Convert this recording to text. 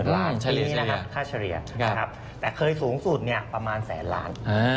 ชนิดนี้นะครับค่าเฉลี่ยนะครับแต่เคยสูงสุดเนี่ยประมาณแสนล้าน